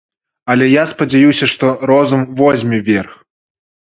Але я спадзяюся, што розум возьме верх.